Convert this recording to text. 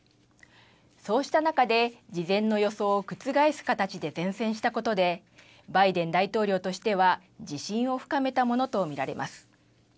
そうした中で事前の予想を覆す形で善戦したことでバイデン大統領としては自信を深めたものと見られます。